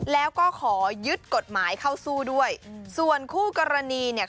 แล้วก็ขอยึดกฎหมายเข้าสู้ด้วยส่วนคู่กรณีเนี่ย